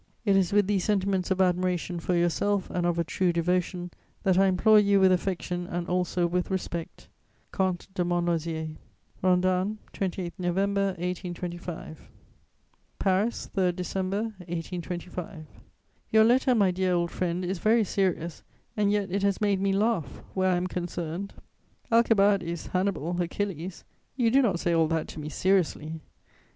"It is with these sentiments of admiration for yourself and of a true devotion, that I implore you with affection and also with respect. "COMTE DE MONTLOSIER. "RANDANNE, 28 November 1825." [Sidenote: My reply to M. de Montlosier.] "PARIS, 3 December 1825. "Your letter, my dear old friend, is very serious, and yet it has made me laugh where I am concerned. Alcibiades, Hannibal, Achilles! You do not say all that to me seriously.